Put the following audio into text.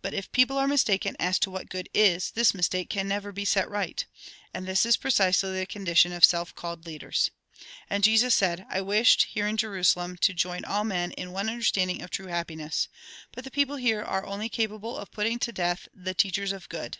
But if people are mistaken as to what good is, this mistake can never be set right. And this is precisely the condition of self called leaders." And Jesus said :" I wished, here in Jerusalem, to join all men in one understanding of true happiness ; but the people here are only capable of putting to death the teachers of good.